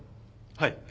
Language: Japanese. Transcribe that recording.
はい。